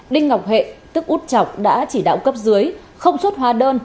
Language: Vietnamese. đinh ngọc hệ tức út chọc đã chỉ đạo cấp dưới không xuất hóa đơn